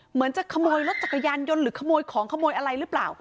เหมือนจะขโมยรถจักรยานยนต์หรือขโมยของขโมยอะไรหรือเปล่า